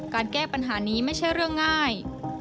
การแก้ปัญหานี้ไม่ใช่เรื่องง่าย